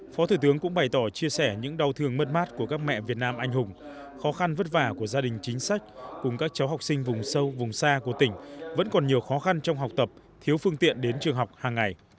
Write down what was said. phó thủ tướng cũng bày tỏ chia sẻ những đau thương mất mát của các mẹ việt nam anh hùng khó khăn vất vả của gia đình chính sách cùng các cháu học sinh vùng sâu vùng xa của tỉnh vẫn còn nhiều khó khăn trong học tập thiếu phương tiện đến trường học hàng ngày